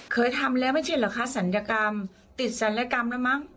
เคยทำแล้วไม่ใช่เหรอคะศัลยกรรมติดศัลยกรรมแล้วมั้ง